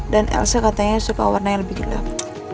dan elsa katanya suka warnanya lebih gelap